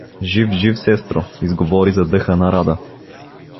— Жив, жив, сестро — изговори задъхана Рада.